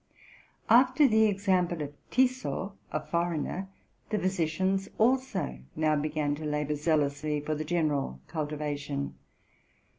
After the example of Tissot, a foreigner, the physicians also now began to labor zealously for the general cultivation.